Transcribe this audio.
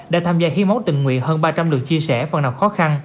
đã tham gia hiến máu tình nguyện hơn ba trăm linh lượt chia sẻ phần nào khó khăn